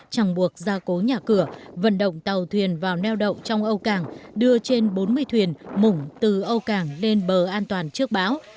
chẳng buộc ra cố nhà cửa vận động tàu thuyền vào neo đậu trong âu cảng đưa trên bốn mươi thuyền mủng từ âu cảng lên bờ an toàn trước bão